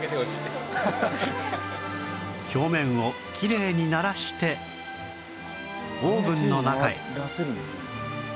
表面をきれいにならしてオーブンの中へ